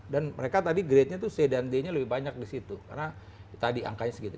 dan mereka tadi gradenya tuh c dan d nya lebih banyak di situ karena tadi angkanya segitu